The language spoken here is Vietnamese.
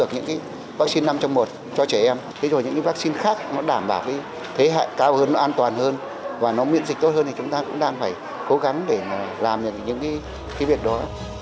những vaccine khác đảm bảo thế hệ cao hơn an toàn hơn và miễn dịch tốt hơn thì chúng ta cũng đang phải cố gắng để làm những việc đó